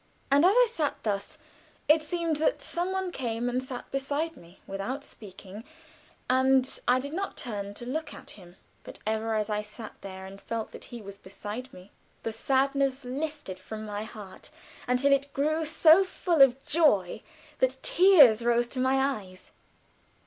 And as I sat thus, it seemed that some one came and sat beside me without speaking, and I did not turn to look at him; but ever as I sat there and felt that he was beside me, the sadness lifted from my heart, until it grew so full of joy that tears rose to my eyes.